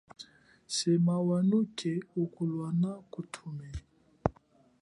Sema wanuke ukulwana utume.